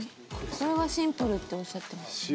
これはシンプルっておっしゃってましたね。